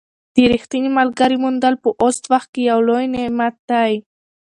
د ریښتیني ملګري موندل په اوس وخت کې یو لوی نعمت دی.